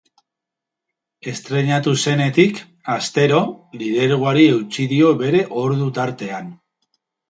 Estreinatu zenetik, astero, lidergoari eutsi dio bere ordu-tartean.